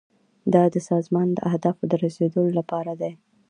دا د سازمان اهدافو ته د رسیدو لپاره دي.